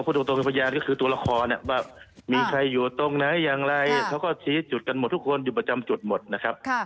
ตรงเป็นพยานก็คือตัวละครว่ามีใครอยู่ตรงไหนอย่างไรเขาก็ชี้จุดกันหมดทุกคนอยู่ประจำจุดหมดนะครับ